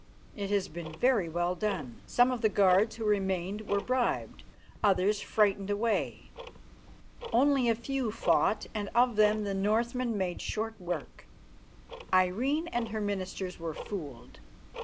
It has been very well done. Some of the guards who remained were bribed, others frightened away. Only a few fought, and of them the Northmen made short work. Irene and her ministers were fooled.